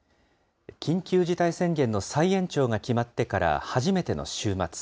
緊急事態宣言の再延長が決まってから初めての週末。